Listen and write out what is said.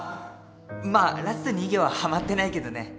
まあラスト２行ははまってないけどね。